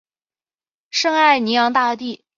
圣艾尼昂大地。